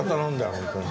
本当に。